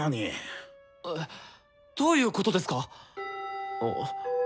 えどういうことですか？